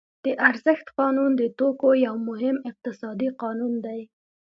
د ارزښت قانون د توکو یو مهم اقتصادي قانون دی